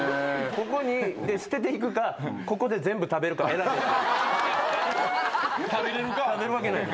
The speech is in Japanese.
ここに捨てていくか、ここで全部食べるかを選べって。